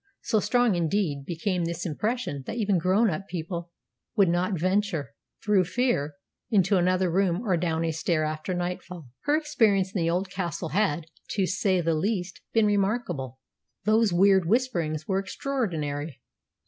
So strong, indeed, became this impression that even grown up people would not venture, through fear, into another room or down a stair after nightfall. Her experience in the old castle had, to say the least, been remarkable. Those weird whisperings were extraordinary.